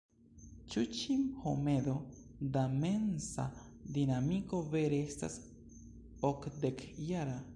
Ĉu ĉi homedo da mensa dinamiko vere estas okdekjara?